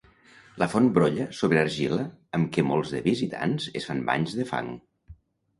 La font brolla sobre argila amb què molts de visitants es fan banys de fang.